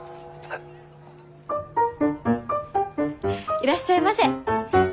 いらっしゃいませ。